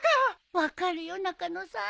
分かるよ中野さん。